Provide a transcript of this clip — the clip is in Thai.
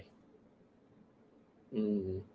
อืม